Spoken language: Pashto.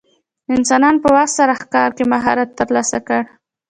انسانانو په وخت سره ښکار کې مهارت ترلاسه کړ.